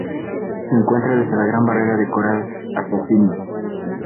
Se encuentra desde la Gran Barrera de Coral hasta Sídney.